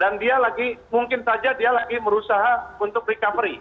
dan dia lagi mungkin saja dia lagi merusak untuk recovery